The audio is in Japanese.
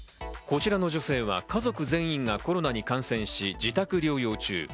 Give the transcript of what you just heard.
こちらの女性は家族全員がコロナに感染し自宅療養中。